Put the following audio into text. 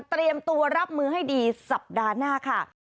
เตรียมตัวรับมือให้ดีสัปดาห์หน้าค่ะ